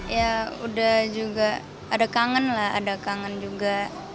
ya udah juga ada kangen lah ada kangen juga